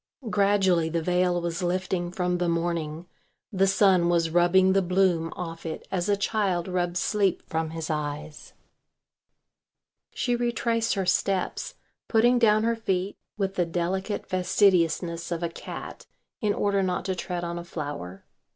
Gradually the veil was lifting from the morning, the sun was rubbing the bloom off it as a child rubs sleep from his eyes. She retraced her steps, putting down her feet with the delicate fastidiousness of a cat in order not to tread on a flower.